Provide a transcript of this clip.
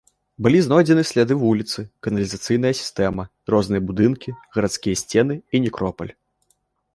Былі знойдзены сляды вуліцы, каналізацыйная сістэма, розныя будынкі, гарадскія сцены і некропаль.